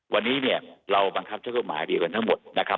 วันนี้เนี่ยเราบังคับใช้กฎหมายเดียวกันทั้งหมดนะครับ